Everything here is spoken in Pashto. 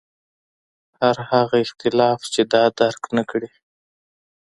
هر هغه اختلاف چې دا درک نکړي.